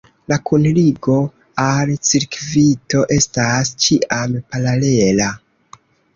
La kunligo al cirkvito estas ĉiam paralela.